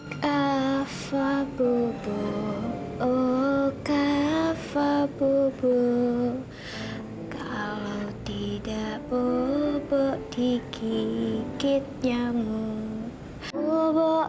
mama memercungi kava kabuk eternity dimulai meledak